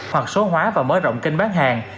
hoặc số hóa và mở rộng kênh bán hàng